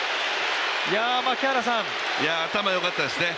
頭よかったですね。